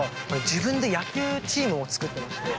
自分で野球チームを作っていまして。